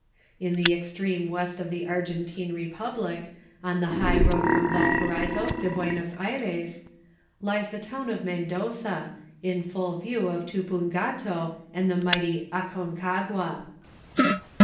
In the extreme west of the Argentine Republic, on the high road from Valparaiso to Buenos Ayres, lies the town of Mendoza, in full view of Tupungato and the mighty Aconcagua.